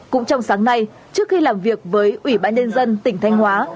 cũng trong sáng nay trước khi làm việc với ủy ban nhân dân tỉnh thanh hóa